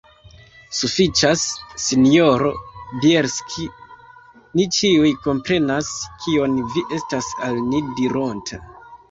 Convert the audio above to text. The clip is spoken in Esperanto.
Sufiĉas, sinjoro Bjelski; ni ĉiuj komprenas, kion vi estas al ni dironta.